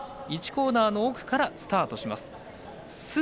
１コーナーの奥からスタートします。